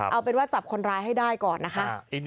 เอาเป็นว่าจับคนร้ายให้ได้ก่อนนะคะ